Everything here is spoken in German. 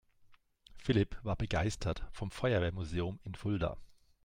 Philipp war begeistert vom Feuerwehrmuseum in Fulda.